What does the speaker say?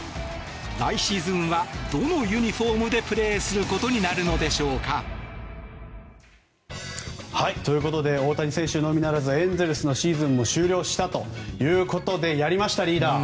来シーズンはどのユニホームでプレーすることになるのでしょうか。ということで大谷選手のみならずエンゼルスのシーズンも終了したということでやりました、リーダー。